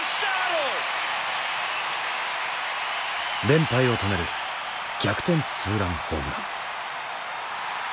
連敗を止める逆転ツーランホームラン。